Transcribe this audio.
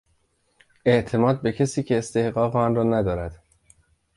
اعتماد به کسی که استحقاق آنرا ندارد